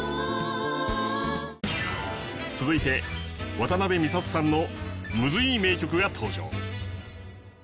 続いて渡辺美里さんのムズいい名曲が登場。